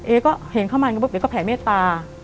เอ๊ก็เห็นเข้ามาแล้วก็แผ่เมตตา